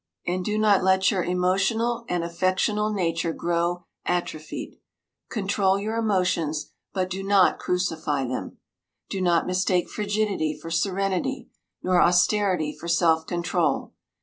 And do not let your emotional and affectional nature grow atrophied. Control your emotions, but do not crucify them. Do not mistake frigidity for serenity, nor austerity for self control.